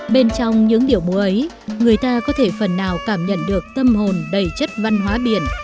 bên trong những điệu múa ấy người ta có thể phần nào cảm nhận được tâm hồn đầy chất văn hóa biển